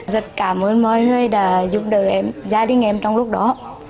rất cảm ơn mọi người đã giúp đỡ gia đình em trong lúc đó